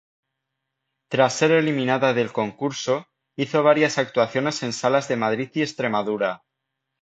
Tras ser eliminada del concurso, hizo varias actuaciones en salas de Madrid y Extremadura.